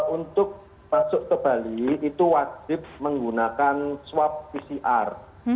untuk masuk ke bali itu wajib menggunakan swab pcr